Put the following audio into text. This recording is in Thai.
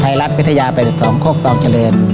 ไทยรัฐวิทยาไป๑๒โค้กตองเฉลิน